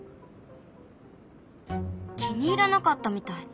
気に入らなかったみたい。